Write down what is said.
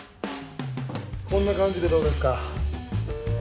こんな感じでどうですか？